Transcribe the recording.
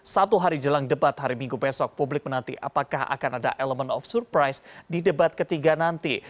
satu hari jelang debat hari minggu besok publik menanti apakah akan ada elemen of surprise di debat ketiga nanti